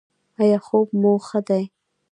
ایا خوب مو ښه دی؟